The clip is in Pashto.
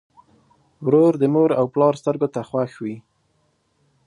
ورور د مور او پلار سترګو ته خوښ وي.